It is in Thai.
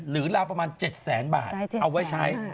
หรือลาประมาณ๗๐๐๐๐๐บาทเอาไว้ใช้